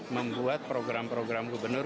membuat program program gubernur